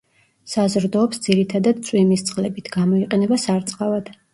საზრდოობს ძირითადად წვიმის წყლებით, გამოიყენება სარწყავად.